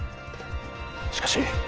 しかし。